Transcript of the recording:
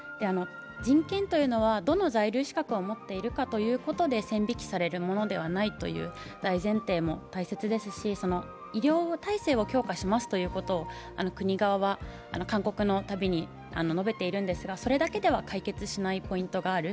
人権というのはどの在留資格を持っているかということで線引きされるものではないという大前提も大切ですし、医療体制を強化しますと国側は韓国の度に述べているんですがそれだけでは解決しないポイントがある。